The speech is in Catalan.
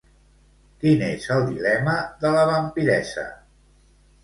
Quin és el dilema de la vampiressa?